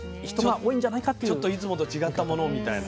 ちょっといつもと違ったものをみたいな。